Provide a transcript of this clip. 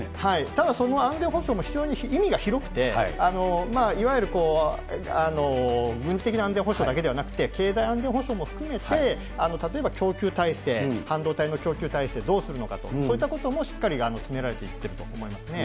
ただその安全保障も非常に意味が広くて、いわゆる軍事的な安全保障だけではなくて、経済安全保障も含めて、例えば、供給体制、半導体の供給体制をどうするのかとか、そういったこともしっかり進められていっていると思いますね。